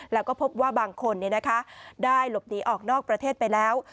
แล้วก็พบว่าบางคนได้หลบหนีออกนอกประเทศไปแล้ว